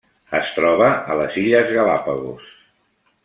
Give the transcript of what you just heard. Es troba a les Illes Galápagos.